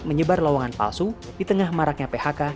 menyebar lowongan palsu di tengah maraknya phk